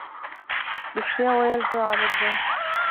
رښتیا ویل ښه عادت دی.